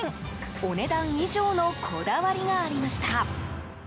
お値段以上のこだわりがありました。